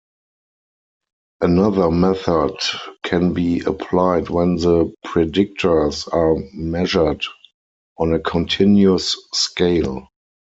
Another method can be applied when the predictors are measured on a continuous scale.